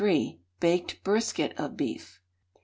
Baked Brisket of Beef.